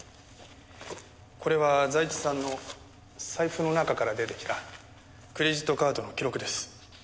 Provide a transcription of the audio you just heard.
これは財津さんの財布の中から出てきたクレジットカードの記録です。